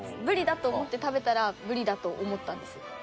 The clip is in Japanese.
ブリだと思って食べたらブリだと思ったんです。